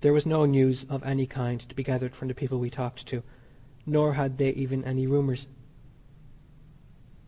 There was no news of any kind to be gathered from the people we talked to, nor had they even any rumours.